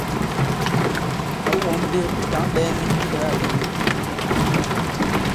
Àwu wɔ̌ŋ mbe wu tǎŋ ɓɛ̄ɛ nik ilɛ̀gâ lɛ̀n i?